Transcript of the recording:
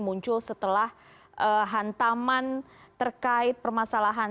muncul setelah hantaman terkait permasalahan